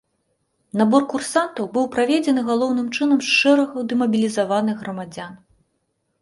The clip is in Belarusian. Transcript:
Набор курсантаў быў праведзены галоўным чынам з шэрагаў дэмабілізаваных грамадзян.